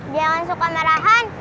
jangan suka marahan